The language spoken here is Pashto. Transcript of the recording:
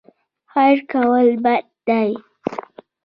هېر کول بد دی.